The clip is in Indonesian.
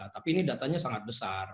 tapi ini datanya sangat besar